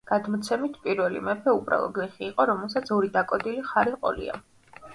გადმოცემით, პირველი მეფე უბრალო გლეხი იყო, რომელსაც ორი დაკოდილი ხარი ჰყოლია.